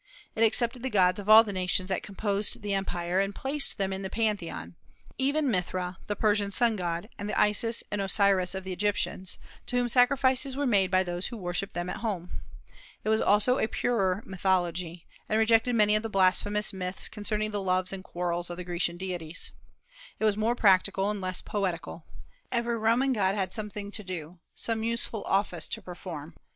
It accepted the gods of all the nations that composed the empire, and placed them in the Pantheon, even Mithra, the Persian sun god, and the Isis and Osiris of the Egyptians, to whom sacrifices were made by those who worshipped them at home. It was also a purer mythology, and rejected many of the blasphemous myths concerning the loves and quarrels of the Grecian deities. It was more practical and less poetical. Every Roman god had something to do, some useful office to perform.